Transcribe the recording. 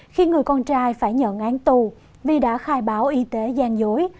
khi người con trai phải nhận án tù vì đã khai báo y tế gian dối